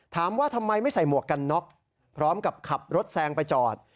ถามว่าทำไมไม่ใส่หมวกกันน็อกพร้อมกับขับรถแซงไปจอด